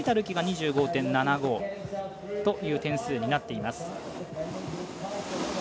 輝が２５．７５という点数になっています。